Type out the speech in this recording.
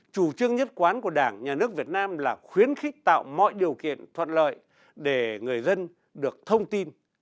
chủ trương nhất quán của đảng nhà nước việt nam là khuyến khích tạo mọi điều kiện thuận lợi để người dân được thông tin